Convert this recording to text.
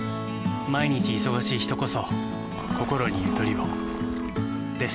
毎日忙しい人こそこころにゆとりをです。